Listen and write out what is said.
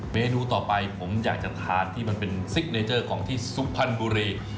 เมนูต่อไปผมอยากจะทานที่มันเป็นซิกเนเจอร์ของที่สุพรรณบุรี